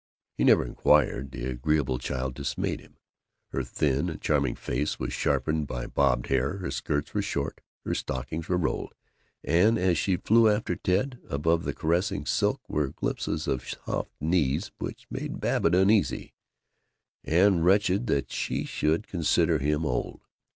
He never inquired. The agreeable child dismayed him. Her thin and charming face was sharpened by bobbed hair; her skirts were short, her stockings were rolled, and, as she flew after Ted, above the caressing silk were glimpses of soft knees which made Babbitt uneasy, and wretched that she should consider him old.